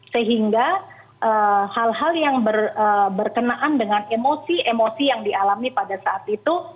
sehingga hal hal yang berkenaan dengan emosi emosi yang dialami pada saat itu